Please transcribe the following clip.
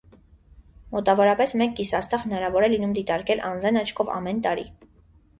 Մոտավորապես մեկ գիսաստղ հնարավոր է լինում դիտարկել անզեն աչքով ամեն տարի։